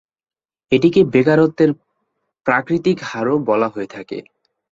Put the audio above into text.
এটিকে বেকারত্বের প্রাকৃতিক হারও বলা হয়ে থাকে।